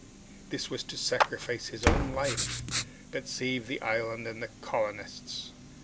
This was to sacrifice his own life, but save the island and the colonists.